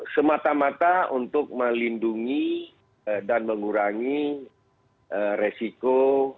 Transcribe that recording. semata mata untuk melindungi dan mengurangi resiko